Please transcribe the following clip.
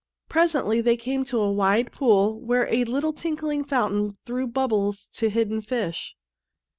Presently they came to a wide pool where a little tinkling fountain threw bubbles to the hidden fish.